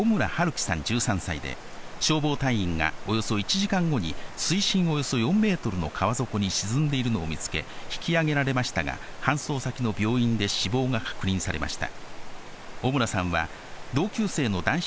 稀さん、１３歳で、消防隊員がおよそ１時間後に水深およそ４ｍの川底に沈んでいるのを見つけ、引き上げられましたが、搬送先の病院で死亡が確認されました。